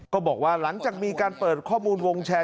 ก็บอกว่าหลังจากมีการเปิดข้อมูลวงแชร์